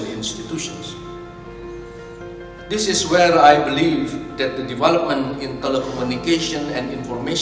di sini saya percaya kembangkan teknologi telekomunikasi dan informasi